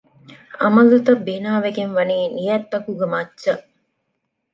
ޢަމަލުތައް ބިނާވެގެން ވަނީ ނިޔަތްތަކުގެ މައްޗަށް